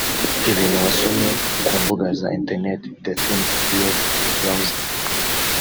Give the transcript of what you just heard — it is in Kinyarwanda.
ibintu wasomye ku mbuga za internet (the things you've browsed)